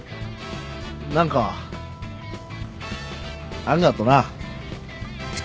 何かあんがとな。